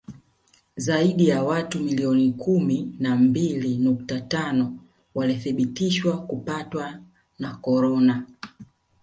Zaidi ya watu milioni kumi na mbili nukta tano walithibitishwa kupatwa na korona